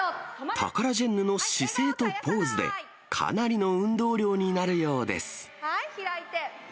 タカラジェンヌの姿勢とポーズで、かなりの運動量になるようです。